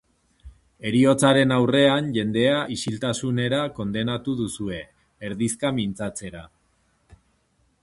Heriotzaren aurrean jendea isiltasunera kondenatu duzue, erdizka mintzatzera.